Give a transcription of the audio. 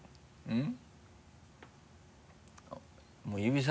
うん。